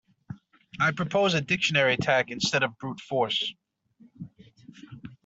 I'd propose a dictionary attack instead of brute force.